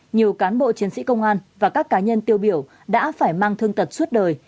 nhiều cán bộ chiến sĩ công an và các cá nhân tiêu biểu đã phải mang thương tật suốt đời